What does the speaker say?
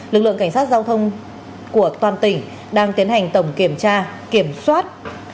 lực lượng cảnh sát giao thông của toàn tỉnh đang tiến hành tổng kiểm tra kiểm soát